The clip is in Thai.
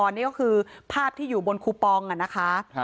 นี่ก็คือภาพที่อยู่บนคูปองนะคะ